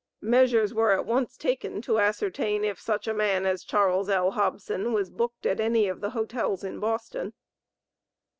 Measures were at once taken to ascertain if such a man as Charles L. Hobson was booked at any of the hotels in Boston.